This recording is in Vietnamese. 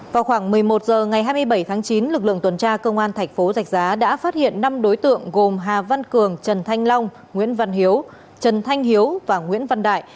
vào khoảng một mươi một h ngày hai mươi bảy tháng chín lực lượng tuần tra công an thành phố rạch giá đã phát hiện năm đối tượng gồm hà văn cường trần thanh long nguyễn văn hiếu trần thanh hiếu và nguyễn văn đại